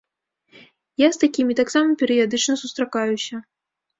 Я з такімі таксама перыядычна сустракаюся.